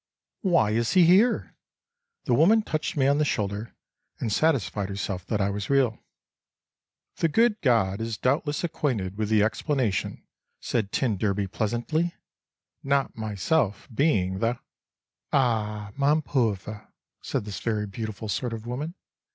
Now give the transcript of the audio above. "Why is he here?" the woman touched me on the shoulder, and satisfied herself that I was real. "The good God is doubtless acquainted with the explanation," said t d pleasantly. "Not myself being the—" "Ah, mon pauvre" said this very beautiful sort of woman.